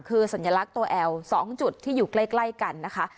คือสัญลักษณ์ตัวแอล๒จุดที่อยู่ใกล้กันนะคะ